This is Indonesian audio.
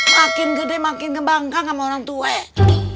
makin gede makin kebangga sama orang tua ya